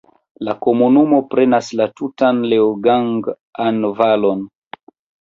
La komunumo prenas la tutan Leogang-an valon.